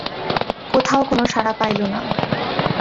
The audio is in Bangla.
কোথাও কোনো সাড়া পাইল না।